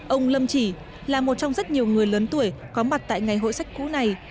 ông lâm chỉ là một trong rất nhiều người lớn tuổi có mặt tại ngày hội sách cũ này